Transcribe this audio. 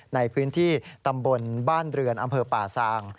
ในพื้นที่ตำบลบ้านเรือนอำเภอป่าซาง